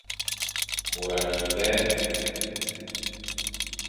Môr a ne mvè.